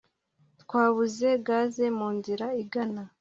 Twabuze gaze mu nzira igana